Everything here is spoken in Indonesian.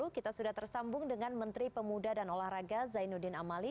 kita sudah tersambung dengan menteri pemuda dan olahraga zainuddin amali